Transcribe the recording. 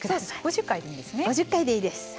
５０回でいいんですね。